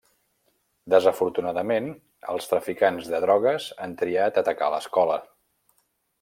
Desafortunadament, els traficants de drogues han triat atacar a l'escola.